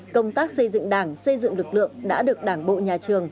công tác xây dựng đảng xây dựng lực lượng đã được đảng bộ nhà trường